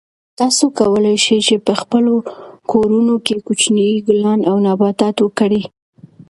تاسو کولای شئ چې په خپلو کورونو کې کوچني ګلان او نباتات وکرئ.